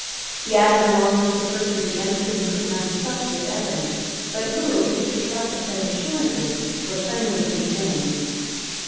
He added a long list of persons against whom he could not himself give evidence, but who, if he could trust to Penn's assurances, were friendly to King James.